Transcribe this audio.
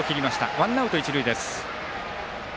ワンアウト、一塁です。